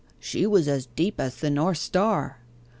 she was as deep as the North Star.